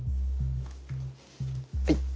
はい。